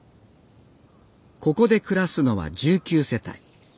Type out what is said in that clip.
ここで暮らすのは１９世帯。